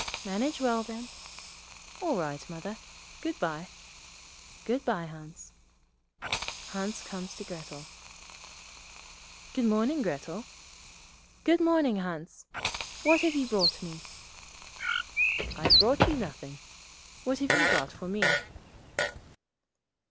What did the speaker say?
'Manage well, then.' 'All right, Mother. Good bye.' 'Good bye, Hans.' Hans comes to Grettel. 'Good morning, Grettel.' 'Good morning, Hans. What have you brought me?' 'I've brought you nothing. What have you got for me?'